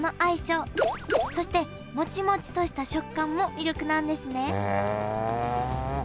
そしてモチモチとした食感も魅力なんですね